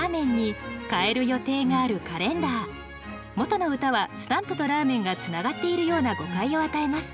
元の歌は「スタンプ」と「ラーメン」がつながっているような誤解を与えます。